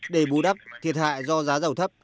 để bù đắp thiệt hại do giá dầu thấp